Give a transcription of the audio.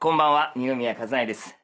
二宮和也です。